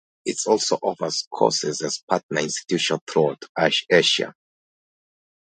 It also offers courses at partner institutions throughout Asia.